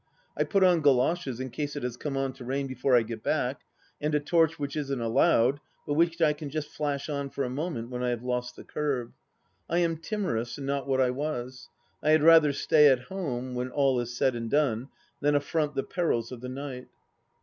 I put on goloshes in case it has come on to rain before I get back, and a torch which isn't allowed, but which I can just flash on for a moment when I have lost the kerb. I am timorous, and not what I was. I had rather stay at home, when all is said and done, than affront the perils of the night.